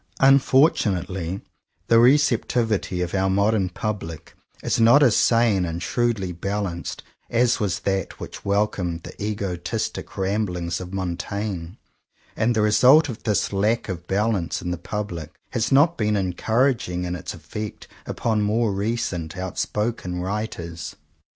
Unfortunately the receptivity of our modern public is not as sane and shrewdly balanced as was that which welcomed the egotistic ramblings of Montaigne; and the result of this lack of balance in the public has not been encouraging in its effect upon more recent outspoken writers.